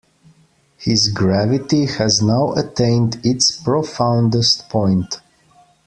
His gravity has now attained its profoundest point.